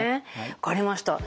分かりました。